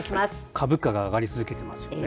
株価が上がり続けていますよね。